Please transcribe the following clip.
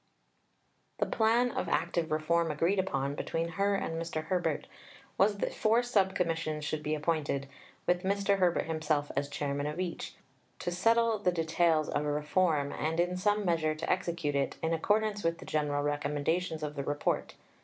The plan of active reform agreed upon between her and Mr. Herbert was that four Sub Commissions should be appointed, with Mr. Herbert himself as Chairman of each, to settle the details of reform, and in some measure to execute it, in accordance with the general recommendations of the Report.